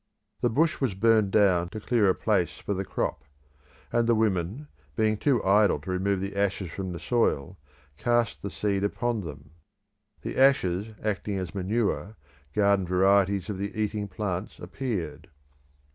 The bush was burnt down to clear a place for the crop, and the women, being too idle to remove the ashes from the soil, cast the seed upon them. The ashes acting as manure, garden varieties of the eating plants appeared.